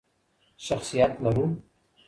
شخصیت لرو.